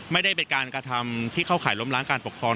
ไม่ได้เป็นการกระทำที่เข้าข่ายล้มล้างการปกครอง